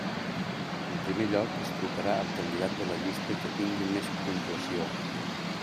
En primer lloc es trucarà al candidat de la llista que tingui més puntuació.